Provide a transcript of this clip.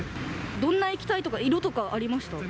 どんな液体とか、色とかありました？